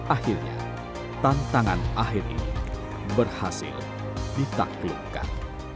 akhirnya tantangan akhir ini berhasil ditaklukkan